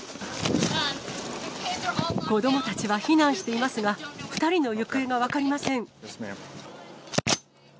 子どもたちは避難していますが、２人の行方が分かりません。